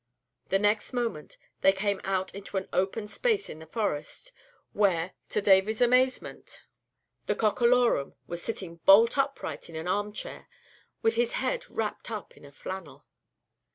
The next moment they came out into an open space in the forest, where, to Davy's amazement, the Cockalorum was sitting bolt upright in an arm chair, with his head wrapped up in flannel. [Illustration: THE COCKALORUM IS ILL.